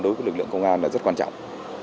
đối với lực lượng công an rất quan trọng